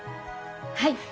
はい。